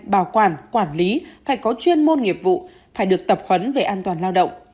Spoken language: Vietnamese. bảo quản quản lý phải có chuyên môn nghiệp vụ phải được tập huấn về an toàn lao động